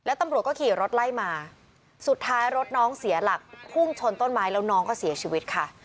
ตำรวจก็ขี่รถไล่มาสุดท้ายรถน้องเสียหลักพุ่งชนต้นไม้แล้วน้องก็เสียชีวิตค่ะ